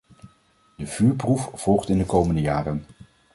De vuurproef volgt in de komende jaren.